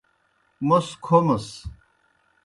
موْس کھومَس۔